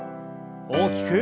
大きく。